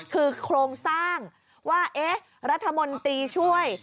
คือโครงสร้างว่าเอ๊ะรัฐมนตรีช่วย